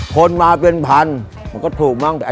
คนมาเป็นพันมันก็ถูกมั้ง